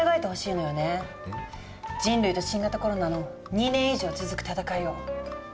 人類と新型コロナの２年以上続く戦いを。